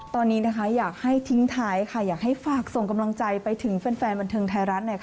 ตอนนี้นะคะอยากให้ทิ้งท้ายค่ะอยากให้ฝากส่งกำลังใจไปถึงแฟนบันเทิงไทยรัฐ